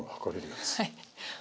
はい。